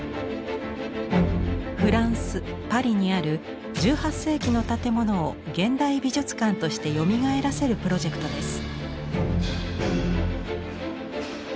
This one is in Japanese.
フランスパリにある１８世紀の建物を現代美術館としてよみがえらせるプロジェクトです。